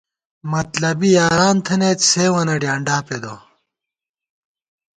مطلبی یاران تھنَئیت، سیوں وَنہ ڈیانڈا پېدہ